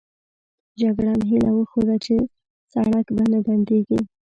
جګړن هیله وښوده چې سړک به نه بندېږي.